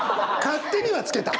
勝手には付けた。